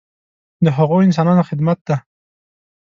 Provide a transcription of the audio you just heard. د هغو انسانانو خدمت دی.